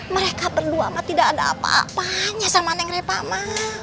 mereka berdua tidak ada apa apanya sama neng reva ma